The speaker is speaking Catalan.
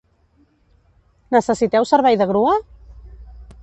Necessiteu servei de grua?